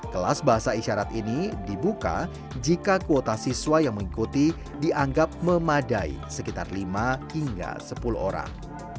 kelas bahasa isyarat ini dibuka jika kuota siswa yang mengikuti dianggap memadai sekitar lima hingga sepuluh orang